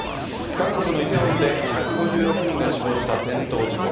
韓国のイテウォンで１５６人が死亡した転倒事故。